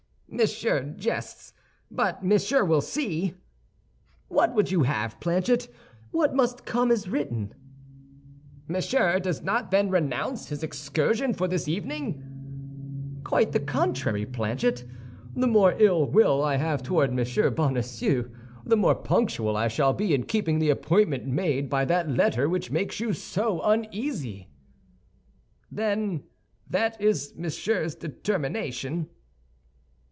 "Monsieur jests, but Monsieur will see." "What would you have, Planchet? What must come is written." "Monsieur does not then renounce his excursion for this evening?" "Quite the contrary, Planchet; the more ill will I have toward Monsieur Bonacieux, the more punctual I shall be in keeping the appointment made by that letter which makes you so uneasy." "Then that is Monsieur's determination?"